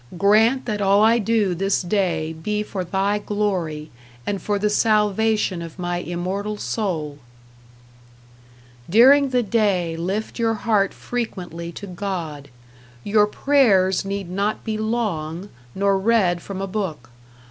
Grant that all I do this day be for Thy Glory, and for the salvation of my immortal soul. During the day lift your heart frequently to God. Your prayers need not be long nor read from a book.